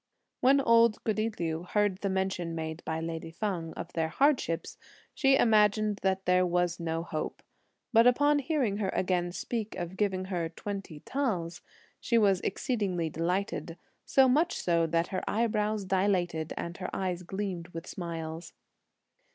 When old goody Liu heard the mention made by lady Feng of their hardships, she imagined that there was no hope; but upon hearing her again speak of giving her twenty taels, she was exceedingly delighted, so much so that her eyebrows dilated and her eyes gleamed with smiles.